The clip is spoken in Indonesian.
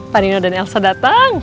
pandino dan elsa datang